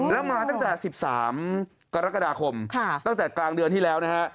แล้วมาตั้งแต่๑๓กรกฎาคมตั้งแต่กลางเดือนที่แล้วนะฮะ